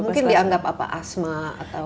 mungkin dianggap apa asma atau